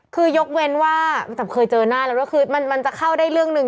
คือยกเว้นว่าจะเคยเจอหน้าแล้วด้วยคือมันจะเข้าได้เรื่องหนึ่ง